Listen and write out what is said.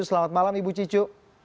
selamat malam ibu cicu